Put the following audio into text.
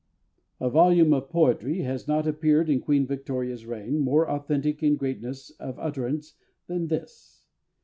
_ A volume of poetry has not appeared in QUEEN VICTORIA'S reign more authentic in greatness of utterance than this.